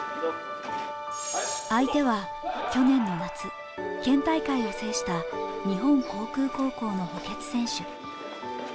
相手は去年の夏、県大会を制した日本航空高校の補欠選手。